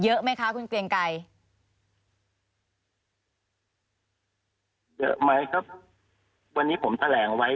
เยอะไหมคะคุณเกรียงไกรเยอะไหมครับวันนี้ผมแถลงไว้